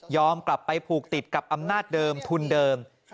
กลับไปผูกติดกับอำนาจเดิมทุนเดิม